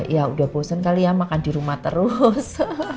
ya udah bosen kali ya makan di rumah terus